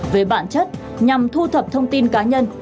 về bản chất nhằm thu thập thông tin cá nhân